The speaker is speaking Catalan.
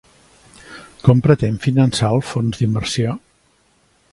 Com pretén finançar el fons d'inversió?